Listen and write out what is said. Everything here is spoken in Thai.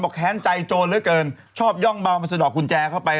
แค้นใจโจรเหลือเกินชอบย่องเบามาสะดอกกุญแจเข้าไป